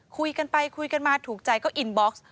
คุยกันไปคุยกันมาถูกใจก็อินบ็อกซ์